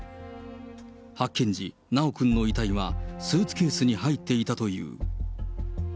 発見時、修くんの遺体は、スーツケースに入っていたという。